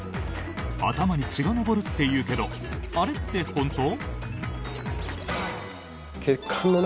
頭に血が上るっていうけどあれって本当？